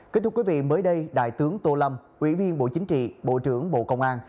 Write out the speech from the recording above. kết thúc quý vị mới đây đại tướng tô lâm ủy viên bộ chính trị bộ trưởng bộ công an